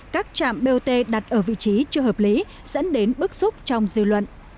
các trạm bot đặt ở vị trí chưa hợp lý dẫn đến bức xúc trong dư luận